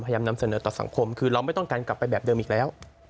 นำเสนอต่อสังคมคือเราไม่ต้องการกลับไปแบบเดิมอีกแล้ว